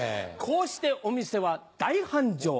こうしてお店は大繁盛。